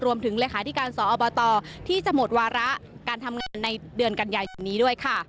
รวมถึงแหละค่าที่การสอบอบตอที่จะหมดวาระการทำงานในเดือนกันใหญ่นี้ด้วยค่ะ